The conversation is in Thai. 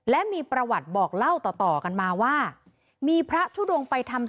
และมีประวัติบอกเล่าต่อกันมาว่ามีพระทุดงไปทำ